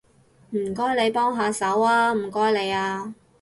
唔該你幫下手吖，唔該你吖